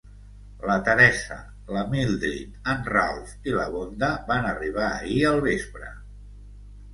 La Teresa, la Mildrid, en Ralph i la Vonda van arribar ahir al vespre.